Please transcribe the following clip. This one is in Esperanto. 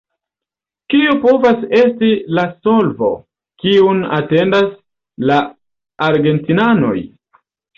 Kio povas esti la solvo, kiun atendas la argentinanoj?